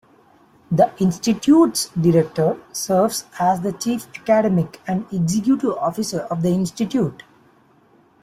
The institute's director, serves as the chief academic and executive officer of the institute.